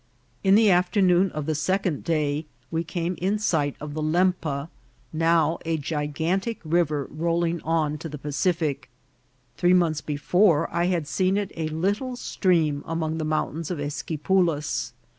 In the afternoon of the second day we came in sight of the Lempa, now a gigantic river rolling on to the Pacific. Three months before I had seen it a little stream among the mountains of Esquipulas.